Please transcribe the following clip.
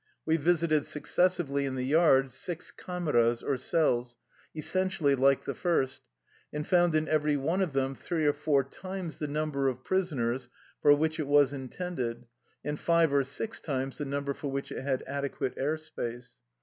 We visited successively in the yard six kameras, or cells, essentially like the first, and found in every one of them three or four times the number of prisoners for which it was intended, and йте or six times the number for which it had adequate air space.